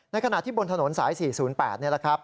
ขณะที่บนถนนสาย๔๐๘นี่แหละครับ